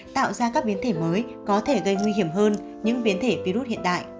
tạo ra các biến thể mới có thể gây nguy hiểm hơn những biến thể virus hiện đại